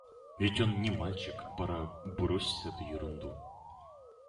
Ведь он не мальчик: пора бросить эту ерунду.